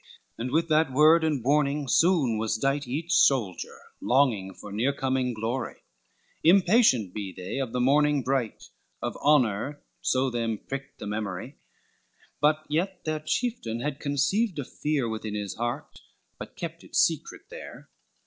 And with that word and warning soon was dight, Each soldier, longing for near coming glory, Impatient be they of the morning bright, Of honor so them pricked the memory: But yet their chieftain had conceived a fear Within his heart, but kept it secret there.